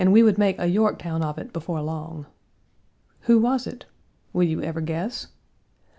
Page 132 make a Yorktown of it before long. Who was it? Will you ever guess?